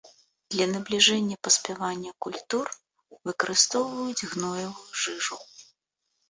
Для набліжэння паспявання культур выкарыстоўваюць гноевую жыжу.